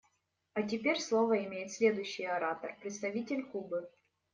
А теперь слово имеет следующий оратор − представитель Кубы.